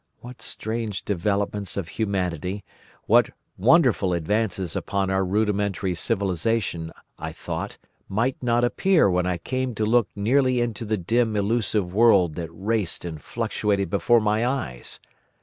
What strange developments of humanity, what wonderful advances upon our rudimentary civilisation, I thought, might not appear when I came to look nearly into the dim elusive world that raced and fluctuated before my eyes!